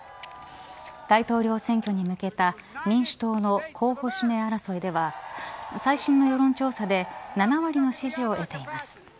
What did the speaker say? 大統領選挙に向けた民主党の候補指名争いでは最新の世論調査で７割の支持を得ています。